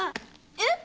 えっ！